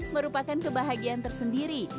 merupakan kebahagiaan tersendiri